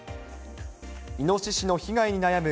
イノシシの被害に悩む